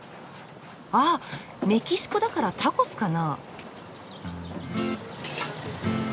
あメキシコだからタコスかな。